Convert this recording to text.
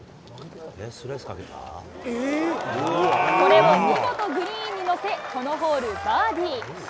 これを見事グリーンに乗せ、このホール、バーディー。